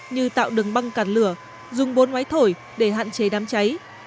như tạo đường băng cản lửa dùng bốn máy thổi để hạn chế đám cháy